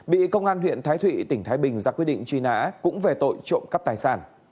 bị công an huyện thái thụy tỉnh thái bình ra quyết định truy nã cũng về tội trộm cắp tài sản